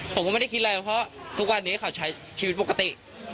ผมก็ไม่ได้คิดอะไรเพราะทุกวันนี้เขาใช้ชีวิตปกติ